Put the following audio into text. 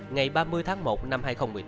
ngày ba mươi tháng một năm hai nghìn một mươi tám